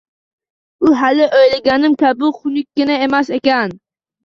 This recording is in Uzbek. U hali o`ylaganim kabi xunukkina emas ekan